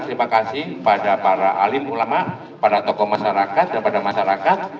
terima kasih pada para alim ulama para tokoh masyarakat dan pada masyarakat